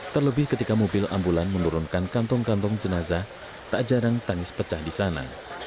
terlebih ketika mobil ambulan menurunkan kantong kantong jenazah tak jarang tangis pecah di sana